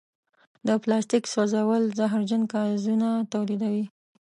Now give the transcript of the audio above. د پلاسټیک سوځول زهرجن ګازونه تولیدوي.